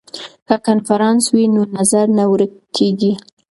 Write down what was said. که کنفرانس وي نو نظر نه ورک کیږي.